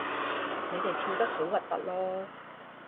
你哋跳得好核突囉